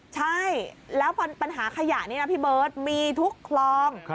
ใช่แล้วปัญหาขยะนี้นะพี่เบิร์ตมีทุกคลอง